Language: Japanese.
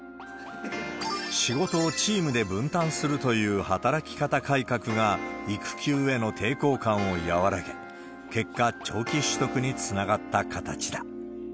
仕事をチームで分担するという働き方改革が、育休への抵抗感を和らげ、結果、長期取得につながった形だ。